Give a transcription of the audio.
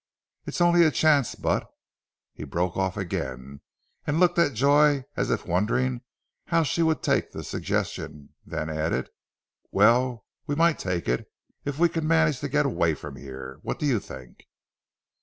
It's only a chance, but " He broke off again, and looked at Joy as if wondering how she would take the suggestion, then added, "Well, we might take it, if we can manage to get away from here. What do you think?"